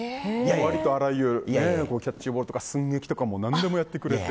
ありとあらゆるキャッチボールとか寸劇とか、何でもやってくれて。